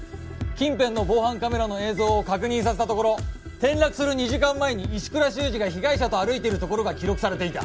近辺の防犯カメラの映像を確認させたところ転落する２時間前に石倉衆二が被害者と歩いているところが記録されていた。